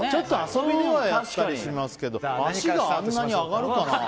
遊びではやったりしますけど足があんなに上がるかな？